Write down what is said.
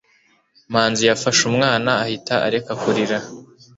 manzi yafashe umwana ahita areka kurira